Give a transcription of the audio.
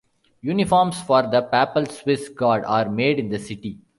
Uniforms for the papal Swiss Guard are made in the city.